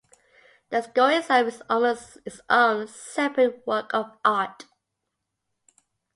The score itself is almost its own separate work of art.